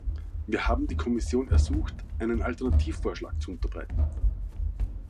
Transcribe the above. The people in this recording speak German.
Wir haben die Kommission ersucht, einen Alternativvorschlag zu unterbreiten.